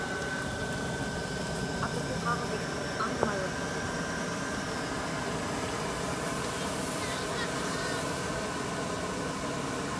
Akutuqaġvik aŋmaruq.